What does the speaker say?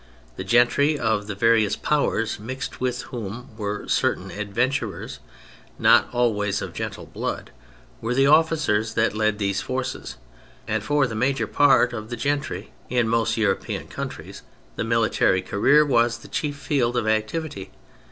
The gentry of the various Powers, mixed with whom were certain adventurers not always of gentle blood, were the officers that led these forces ; and for the major part of the gentry in most European countries, the military career was the chief field of activity.